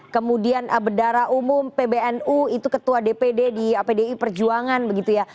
kemudian bedara umum pbnu itu ketua dpd di pdi perjuangan begitu ya